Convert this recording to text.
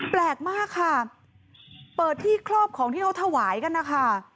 แปลกมากค่ะเปิดที่ครอบของที่เขาถวายกันนะคะ